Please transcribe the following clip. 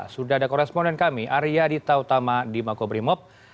sudah ada koresponden kami arya dita utama di makobrimob